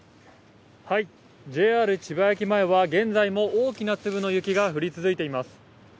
千葉駅前は、現在も大きな粒の雪が降り続いています。